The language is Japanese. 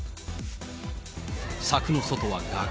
柵の外は崖。